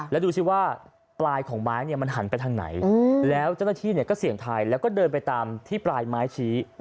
แล้วดูสิว่าปลายของไม้เนี่ยมันหันไปทางไหนแล้วเจ้าหน้าที่ก็เสี่ยงทายแล้วก็เดินไปตามที่ปลายไม้ชี้